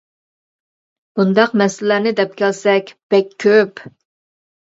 بۇنداق مەسىلىلەرنى دەپ كەلسەك بەك كۆپ.